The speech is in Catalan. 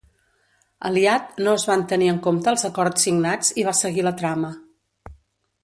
Aliat, no es van tenir en compte els acords signats i va seguir la trama.